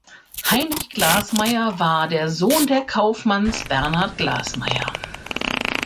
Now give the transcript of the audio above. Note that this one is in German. Heinrich Glasmeier war der Sohn der Kaufmanns Bernhard Glasmeier.